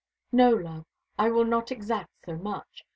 "No, love, I will not exact so much.